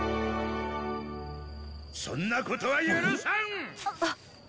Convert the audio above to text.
そんなことは許さん！